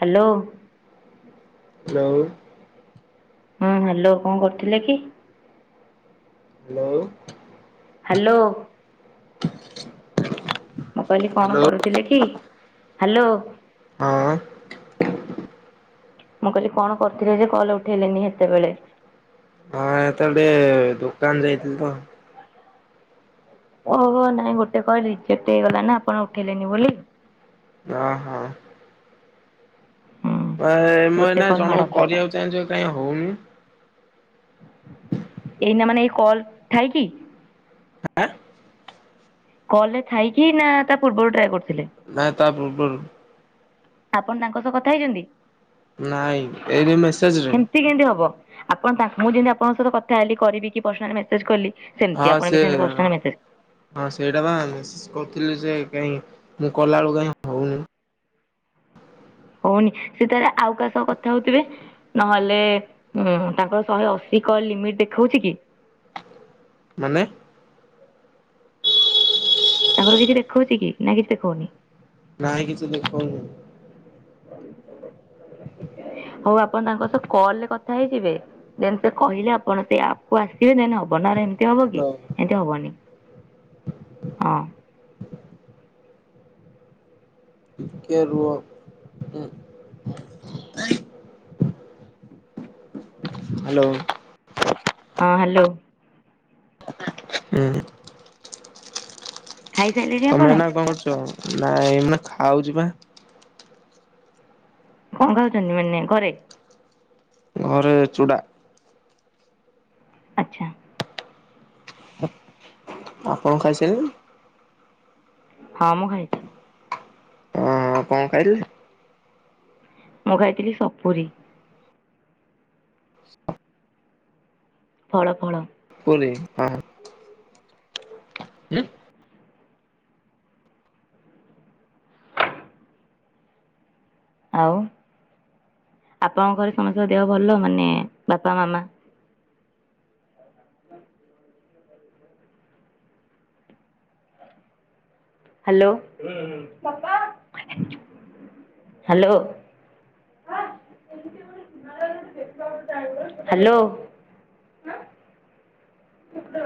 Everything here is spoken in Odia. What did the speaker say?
ହ୍ୟାଲୋ। ହ୍ୟାଲୋ। ହଁ ହ୍ୟାଲୋ କଣ କରୁଥିଲେ କି? ହ୍ୟାଲୋ। ହ୍ୟାଲୋ। ମୁଁ କହିଲି କଣ ହ୍ୟାଲୋ କରୁଥିଲ କି, ହ୍ୟାଲୋ। ହଁ ମୁଁ କହିଲି କଣ କରିଥିଲି ଯେ କଲ ଉଠେଇଲିନି ସେତେବେଳେ? ସେତେବେଳେ ଟିକେ ଦୋକାନ ଯାଇଥିଲି ତ। ଓହୋ ନାଇଁ ଗୋଟେ କଲ ରିଜେକ୍ଟ ହେଇଗଲା ନା ଆପଣ ଉଠେଇଲେନି ବୋଲି। ଅ ହଁ। ମୁଁ ଗୋଟେ ଏନା କଲ୍ ମାଡ଼ ଜଣକୁ ଖାଇଲା। କରିବାକୁ ଚାହିଁଛ କାଇହିଁ ହଉନି! ଏଇନା ମାନେ ଏଇ କଲ ଠାଇ କି? ଆଁ! କଲେ ଥାଇକି ନା ତା ପୂର୍ବରୁ ଟ୍ରାଏ କର କରିଥିଲେ? ନାଇଁ ତାପବରୁ। ଆପଣ ତାଙ୍କ ସହ କଥା ହେଇଛନ୍ତି ନାଇଁ ଏଇ ଯୋଉ ମେସେଜରେ ଏମିତି କେମିତି ହବ? ଆଣ ତାଙ୍କୁ ମୁଁ ଯେମତି ଆପଣଙ୍କ ସହି କଥା ହେଲି, କରିବି କି ପସନାଲି ମେସେଜ୍ କଲି ସେମିତି ହଁ ଆପଣ ବି ସେ ସେମିତି ପର୍ସନାଲ ମେସେଜ ହଁ ସେଇଟା ବା କହୁଥିଲି ଯେ କାଇହିଁ ମୁଁ କଲା ବେଳୁ କାଇହିଁ ହଉନି? ହଉନି ସେ ତାରେ ଆଉ କାହା ସହ କଥା ହଉଥିବେ ନହେଲେ ଉଁ ତାଙ୍କର ଶହେ ଅଶୀ କଲ ଲିମିଟ୍ ଦେଖାଉଛି କି? ମାନେ ତାଙ୍କର କିଛି ଦେଖଉଛି କି ନା କିଛି ଦେଖଉନି? ନହିଁ କିଛି ଦେଖନି। [unintelligible] ହଉ ଆପଣ ତାଙ୍କ ସହ କଲରେ କଥା ହେଇଯିବେ, ଯେନ୍ ସେ କହିଲେ ଆପଣ ସେ ଆପ୍ କୁ ଆସିବେ ଯେନ ହବ ନା ଏମିତି ହବ କି ହ୍ୟାଲୋ ଏମତି ହବନି! ହଁ ଟିକେ ରୁହ। ହ୍ୟାଲୋ! ହଁ ହ୍ୟାଲୋ! ହୁଁ। ଖାଇ ତମେ ନା କଣ କରୁଛ! ନାଇଁ ଏ ମ ଖାଉଛି ବା। କ ଖାଉଛନ୍ତି ମାନେ ଘରେ? ଘରେ ଚୂଡ଼ା। ଆଚ୍ଛା। ଆପଣ ଖାଇ ସାଇଲେଣି? ହଁ ମୁଁ ଖାଇଛି। ହଁ କଣ ଖାଇଲେ? ମୁଁ ଗାଇଥିଲି ସପୁରୀ। ଫଳ ଫଳ। [unintelligible] ଆଉ? ଆପଣଙ୍କ ଘରେ ସମସ୍ତଙ୍କ ଦେହ ଭଲ ମାନେ ବାପା ମାମା? Hello hello! ହ୍ୟାଲୋ! [inaudible]